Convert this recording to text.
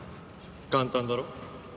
簡単だろ？